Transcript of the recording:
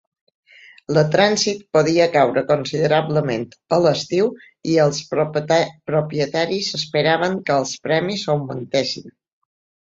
La trànsit podia caure considerablement a l'estiu i els propietaris esperaven que els premis augmentessin.